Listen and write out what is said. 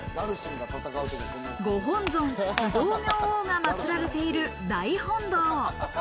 ご本尊不動明王が祀られている大本堂。